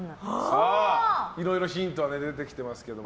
いろいろヒントは出てきてますけど。